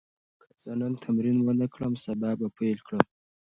که زه نن تمرین ونه کړم، سبا به پیل کړم.